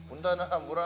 unta dah ampura